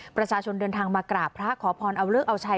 ประชาชนเดินทางมากราบพระขอพรเอาเลิกเอาชัย